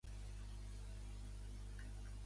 El cognom és Bibi: be, i, be, i.